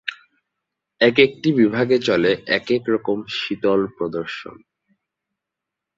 একেকটি বিভাগে চলে একেক রকম ‘শীতল প্রদর্শন’।